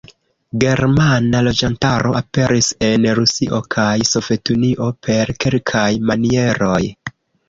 Germana loĝantaro aperis en Rusio kaj Sovetunio per kelkaj manieroj.